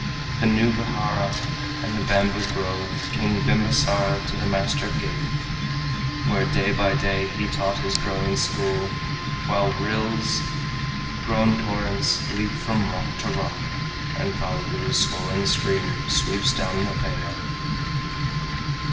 The new vihara and the bamboo grove King Bimbasara to the master gave, Where day by day he taught his growing school, While rills, grown torrents, leap from rock to rock, And Phalgu's swollen stream sweeps down the vale.